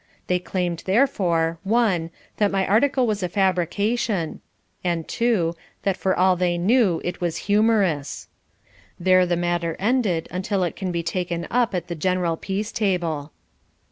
They claimed therefore (1) that my article was a fabrication and (2) that for all they knew it was humorous. There the matter ended until it can be taken up at the General Peace Table.